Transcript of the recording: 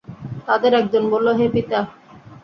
তাদের একজন বলল, হে পিতা!